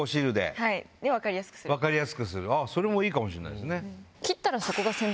それもいいかもしんないですね。